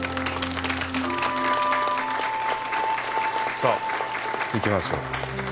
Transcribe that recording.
さあ行きましょう。